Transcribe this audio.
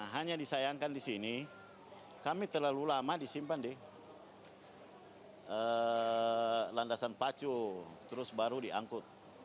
hanya disayangkan di sini kami terlalu lama disimpan di landasan pacu terus baru diangkut